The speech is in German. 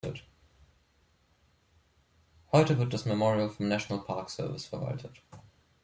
Heute wird das Memorial vom National Park Service verwaltet.